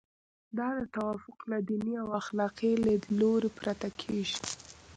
دا توافق له دیني او اخلاقي لیدلوري پرته کیږي.